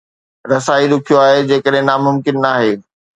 رسائي ڏکيو آهي جيڪڏهن ناممڪن ناهي